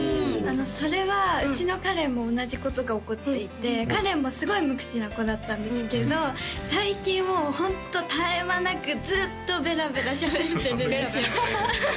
それはうちの芳怜も同じことが起こっていて芳怜もすごい無口な子だったんですけど最近もうホント絶え間なくずっとベラベラしゃべってるんですよ